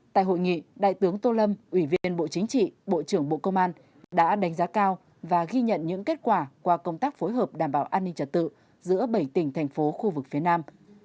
tại hội nghị đại tướng tô lâm ủy viên bộ chính trị bộ trưởng bộ công an đã đánh giá cao và ghi nhận những kết quả qua công tác phối hợp đảm bảo an ninh trật tự giữa bảy tỉnh thành phố khu vực phía nam